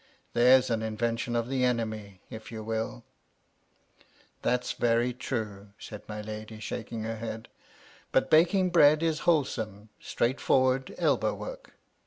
There's an invention of the enemy, if you will 1" " That's very true !" said my lady, shaking her head. "But baking bread is wholesome, straight forward elbow work.